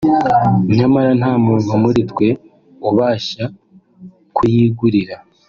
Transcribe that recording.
nyamara nta muntu muri twe ubasha kuyigurira”